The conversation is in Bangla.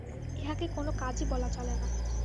ইহাকে কোনো কাজই বলা চলে না।